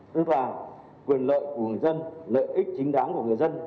tức là quyền lợi của người dân lợi ích chính đáng của người dân